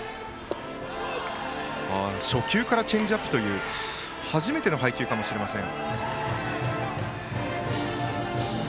初球からチェンジアップは初めての配球かもしれません。